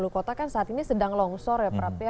lima puluh kota kan saat ini sedang longsor ya prab